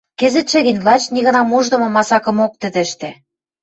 Кӹзӹтшӹ гӹнь лач нигынам уждымы масакымок тӹдӹ ӹштӓ.